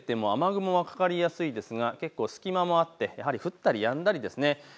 朝にかけても雨雲かかりやすいですが結構隙間もあってやはり降ったりやんだりです。